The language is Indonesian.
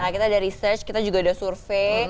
kita ada research kita juga ada survei